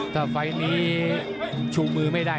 ถ้าไฟล์นี้ชูมือไม่ได้